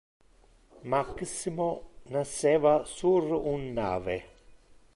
Maximo nasceva sur un nave.